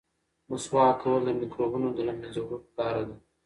مسواک وهل د مکروبونو د له منځه وړلو لاره ده.